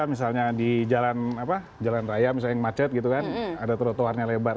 misalnya di jalan raya misalnya yang macet gitu kan ada trotoarnya lebar